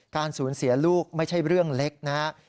สูญเสียลูกไม่ใช่เรื่องเล็กนะครับ